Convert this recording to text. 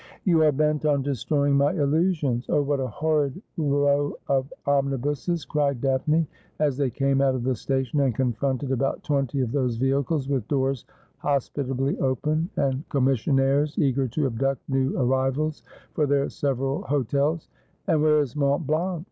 ' You are bent on destroying my illusions. Oh, what a horrid row of omnibuses !' cried Daphne, as they came out of the sta tion and confronted about twenty of those vehicles, with doors hospitably open, and commissionaires eager to abduct new arrivals for their several hotels. ' And where is Mont Blanc